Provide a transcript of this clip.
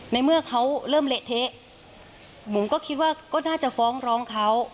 ในเมื่อเขาเริ่มเละเทะบุ๋มก็คิดว่าก็น่าจะฟ้องร้องเขา